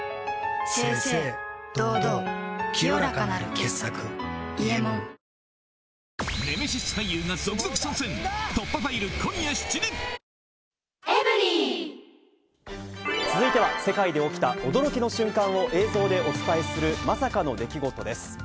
清々堂々清らかなる傑作「伊右衛門」続いては、世界で起きた驚きの瞬間を映像でお伝えするまさかの出来事です。